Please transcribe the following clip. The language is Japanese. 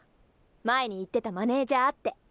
前に言ってたマネージャーって。